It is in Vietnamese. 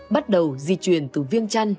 bắt đầu di chuyển từ viêng trăn